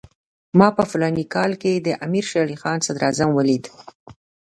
ما په فلاني کال کې د امیر شېر علي صدراعظم ولید.